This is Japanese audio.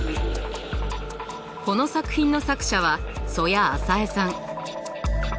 この作品の作者は曽谷朝絵さん。